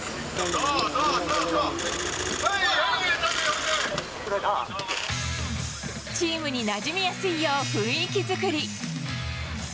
おーい、チームになじみやすいよう雰囲気作り。